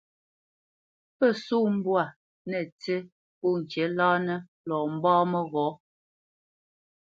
Pə́ só mbwâ nə̂ tsí pô ŋkǐ láánə lɔ mbá məghɔ̌.